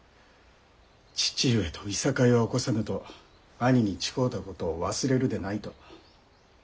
父上といさかいは起こさぬと兄に誓うたことを忘れるでない」と。